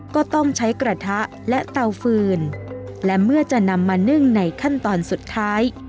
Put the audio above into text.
ก็ต้องใช้กระทะและเตาฟืนและเมื่อจะนำมานึ่งในขั้นตอนสุดท้าย